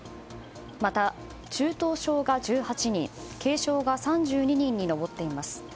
また、中等症が１８人軽症が３２人に上っています。